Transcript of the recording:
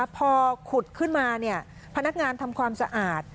พอขุดขึ้นมาพนักงานทำความสะอาด